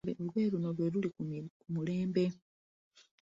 Olugoye luno lwe luli ku mulembe.